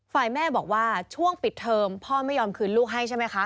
ฝ่ายแม่บอกว่าช่วงปิดเทอมพ่อไม่ยอมคืนลูกให้ใช่ไหมคะ